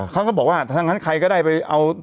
เขาก็บอกว่าถ้างั้นใครก็ได้ไปเอา